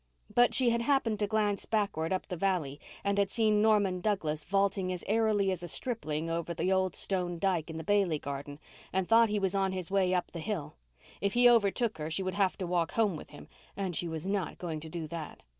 But she had happened to glance backward up the valley and had seen Norman Douglas vaulting as airily as a stripling over the old stone dyke of the Bailey garden and thought he was on his way up the hill. If he overtook her she would have to walk home with him and she was not going to do that.